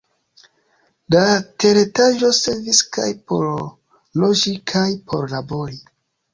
La teretaĝo servis kaj por loĝi kaj por labori.